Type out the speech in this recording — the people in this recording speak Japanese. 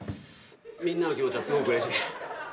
みんなの気持ちはすごくうれしい。